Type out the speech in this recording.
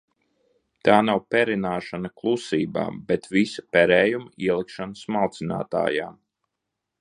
Tā nav perināšana klusībā, bet visa perējuma ielikšana smalcinātājā!